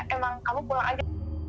emang kamu pulang aja